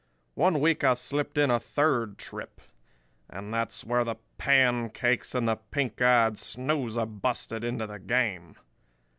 "One week I slipped in a third trip; and that's where the pancakes and the pink eyed snoozer busted into the game.